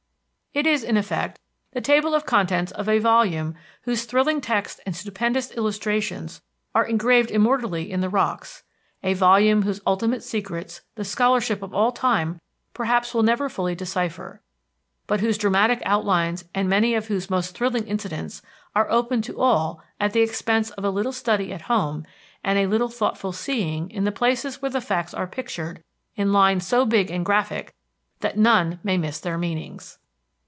It is, in effect, the table of contents of a volume whose thrilling text and stupendous illustration are engraved immortally in the rocks; a volume whose ultimate secrets the scholarship of all time perhaps will never fully decipher, but whose dramatic outlines and many of whose most thrilling incidents are open to all at the expense of a little study at home and a little thoughtful seeing in the places where the facts are pictured in lines so big and graphic that none may miss their meanings.